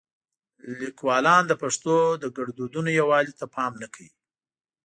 لیکوالان د پښتو د ګړدودونو یووالي ته پام نه کوي.